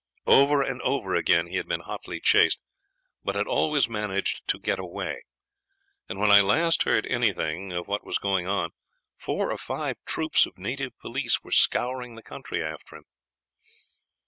Over and over again he had been hotly chased, but had always managed to get away; and when I last heard anything of what was going on four or five troops of native police were scouring the country after him.